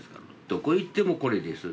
どこ行ってもこれです。